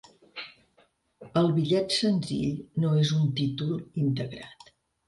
El bitllet senzill no és un títol integrat.